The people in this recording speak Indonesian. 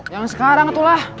yang sekarang itulah